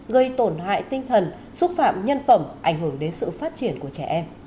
gây tổn hại tinh thần xúc phạm nhân phẩm ảnh hưởng đến sự phát triển của trẻ em